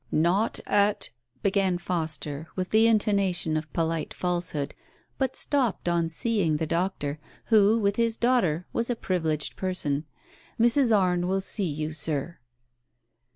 "Not at " began Foster, with the intonation of polite falsehood, but stopped on seeing the doctor, who, with his daughter, was a privileged person. " Mrs. Arrre will see you, Sir."